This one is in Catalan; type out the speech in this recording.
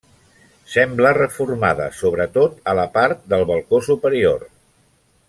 Sembla reformada sobretot a la part del balcó superior.